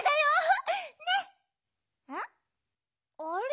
あれ？